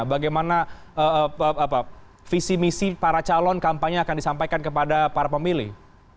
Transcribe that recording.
bagaimana visi misi para calon kampanye akan disampaikan kepada para pemilih